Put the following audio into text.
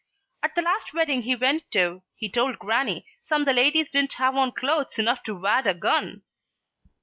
At the last wedding he went to he told grannie some the ladies didn't have on clothes enough to wad a gun.